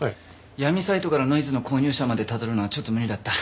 闇サイトからノイズの購入者までたどるのはちょっと無理だった。